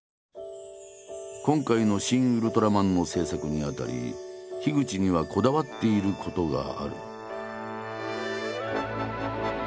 今回の「シン・ウルトラマン」の制作にあたり口にはこだわっていることがある。